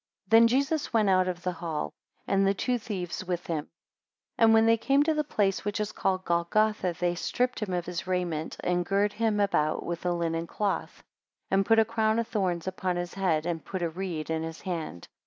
THEN Jesus went out of the hall, and the two thieves with him. 2 And when they came to the place which is called Golgotha, they stript him of his raiment, and girt him about with a linen cloth, and put a crown of thorns upon his head, and put a reed in his hand.